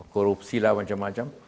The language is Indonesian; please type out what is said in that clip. korupsi lah macam macam